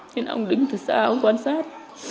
nên ông đứng từ xa ông quan sát